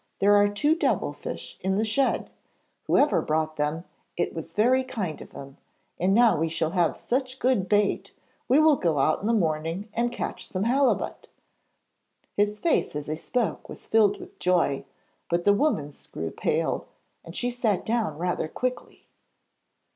There are two devil fish in the shed; Whoever brought them, it was very kind of him, and now we have such good bait we will go out in the morning and catch some halibut.' His face as he spoke was filled with joy, but the woman's grew pale and she sat down rather quickly.